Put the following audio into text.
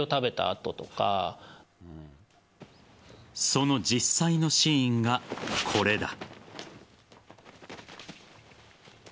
その実際のシーンがこれだ。